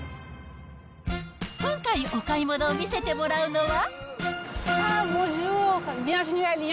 今回、お買い物を見せてもらうのは。